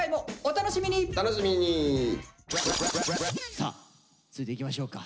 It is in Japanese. さあ続いていきましょうか。